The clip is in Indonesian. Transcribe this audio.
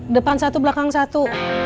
depan satu belakang satu